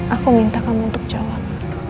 aku minta kamu untuk jalan